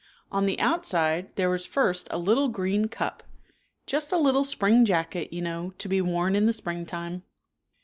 On the outside there was first a little green cup. " Just a little spring jacket, you know, to be worn in the springtime."